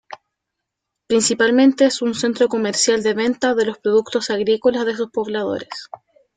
Principalmente es un centro comercial de venta de los productos agrícolas de sus pobladores.